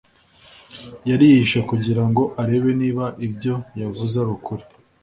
yari yihishe kugira ngo arebe niba ibyo yavuze ari ukuri